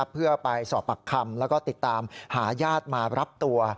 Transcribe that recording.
เพื่อไปสอบปากคำแล้วก็ติดตามหาญาติมารับตัว